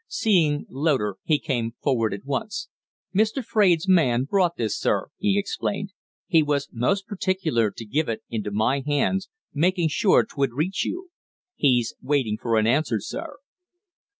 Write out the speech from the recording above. Seeing Loder, he came forward at once. "Mr. Fraide's man brought this, sir," he explained. "He was most particular to give it into my hands making sure 'twould reach you. He's waiting for an answer, sir."